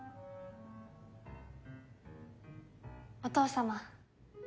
お父様。